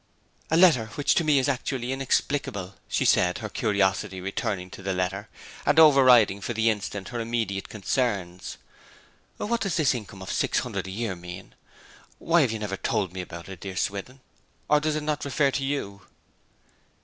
'A letter which to me is actually inexplicable,' said she, her curiosity returning to the letter, and overriding for the instant her immediate concerns. 'What does this income of six hundred a year mean? Why have you never told me about it, dear Swithin? or does it not refer to you?'